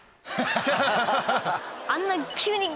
あんな。